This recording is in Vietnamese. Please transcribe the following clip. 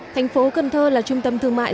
thành phố cần thơ là trung tâm thương mại